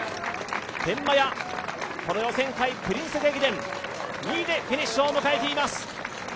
天満屋、この予選会、「プリンス駅伝」２位でフィニッシュを迎えています！